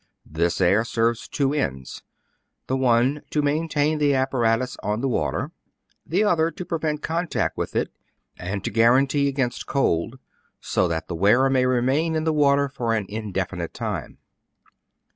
This air serves two ends, — the one, to maintain the apparatus on the water ; the other, to prevent contact with it, and to guarantee against cold : so that the wearer may remain in the water for an indefinite time.